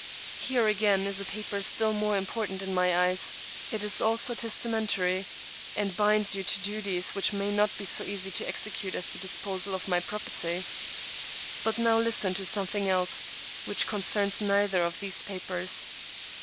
Here, again, is a paper still more important in my eyes ; it is also testamentary,, and binds you to duties which may not be so easy to execute as the dis posal of my property. But now Hsten to something else,, which concerns neither of these papers.